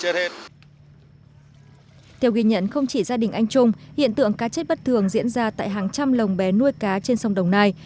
theo ghi nhận không chỉ gia đình anh trung hiện tượng cá chết bất thường diễn ra tại hàng trăm lồng bé nuôi cá trên sông đồng nai